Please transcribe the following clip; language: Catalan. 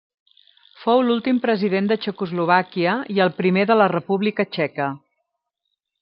Fou l'últim president de Txecoslovàquia i el primer de la República Txeca.